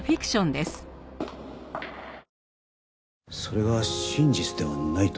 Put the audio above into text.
それが真実ではないと？